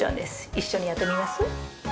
一緒にやってみます？